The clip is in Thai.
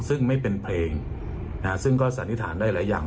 ซึ่งไม่เป็นเพลงซึ่งก็สันนิษฐานได้หลายอย่าง